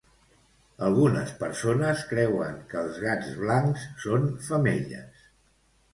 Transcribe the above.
Algunes persones creuen que els gats blancs són femelles.